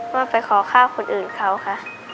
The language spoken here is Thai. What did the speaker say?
ว่าไปขอข้าวคนอื่นเขาค่ะ